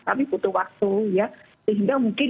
kami butuh waktu ya sehingga mungkin